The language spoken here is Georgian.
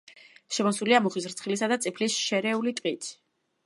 შემოსილია მუხის, რცხილისა და წიფლის შერეული ტყით.